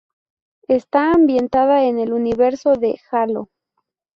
Está ambientada en el universo de Halo.